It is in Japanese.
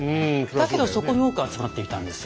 だけどそこに多く集まっていたんです。